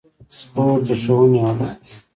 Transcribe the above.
سپورت د ښوونې یوه برخه ده.